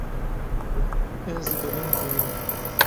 Ez bilind bûme.